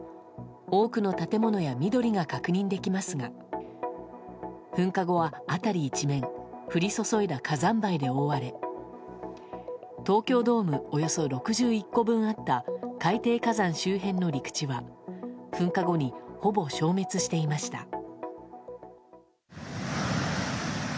多くの建物や緑が確認できますが噴火後は辺り一面降り注いだ火山灰で覆われ東京ドームおよそ６１個分あった海底火山周辺の陸地は噴火後にほぼ消滅していました。